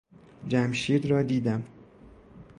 جمشید را دیدم.